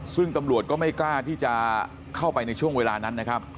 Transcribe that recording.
ซึ่งตำรวจก็ไม่กล้าที่จะเข้าไปในช่วงเวลานั้นนะครับ